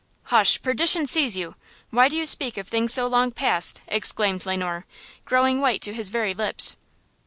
"Hush! Perdition seize you! Why do you speak of things so long past?" exclaimed Le Noir, growing white to his very lips.